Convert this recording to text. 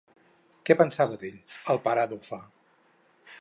Què pensava d'ell el pare d'Offa?